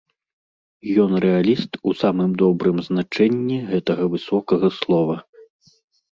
Ён рэаліст у самым добрым значэнні гэтага высокага слова.